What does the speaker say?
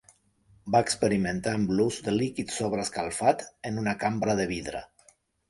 Va experimentar amb l'ús de líquid sobreescalfat en una cambra de vidre.